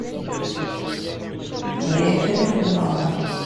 D aya kan i xeddmeɣ da.